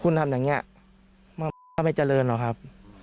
คุณทำอย่างนี้ก็ไม่เจริญหรอกครับ